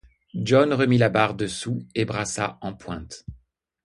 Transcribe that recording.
John remit la barre dessous et brassa en pointe.